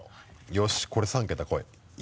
よしこれ３桁こい。